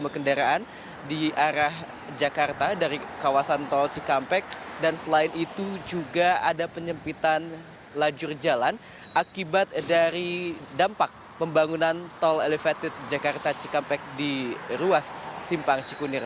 kendaraan di arah jakarta dari kawasan tol cikampek dan selain itu juga ada penyempitan lajur jalan akibat dari dampak pembangunan tol elevated jakarta cikampek di ruas simpang cikunir